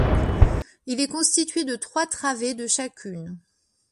Il est constitué de trois travées de chacune.